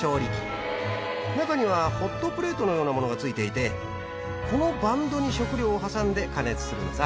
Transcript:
中にはホットプレートのようなものが付いていてこのバンドに食料を挟んで加熱するのさ。